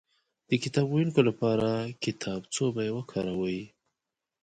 د کتاب ويونکي لپاره کتابڅوبی وکاروئ